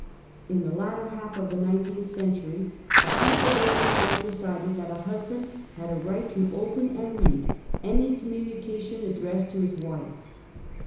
In the latter half of the nineteenth century, a Penn sylvania court decided that a husband had a right to open and read any communication addressed to his wife.